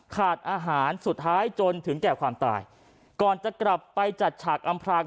ขาดอาหารสุดท้ายจนถึงแก่ความตายก่อนจะกลับไปจัดฉากอำพลาง